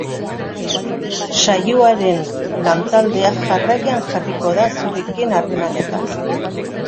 Saioaren lantaldea jarraian jarriko da zurekin harremanetan.